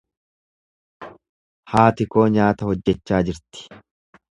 Haati koo nyaata hojjechaa jirti.